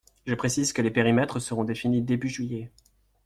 Je précise que les périmètres seront définis début juillet.